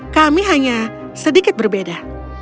kami hanya sedikit berbeda